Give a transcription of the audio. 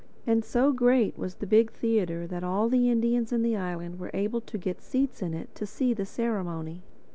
And so great was the big theatre that all the Indians in the island were able to get seats in it to see the ceremony.